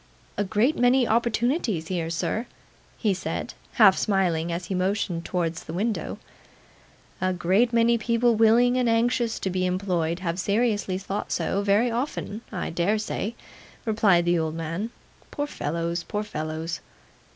'A great many opportunities here, sir,' he said, half smiling as he motioned towards the window. 'A great many people willing and anxious to be employed have seriously thought so very often, I dare say,' replied the old man. 'Poor fellows, poor fellows!